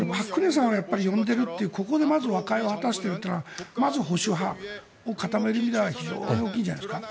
朴槿惠さんを呼んでいるというここで和解を果たしているのはまず保守派を固める意味では非常に大きいんじゃないですか。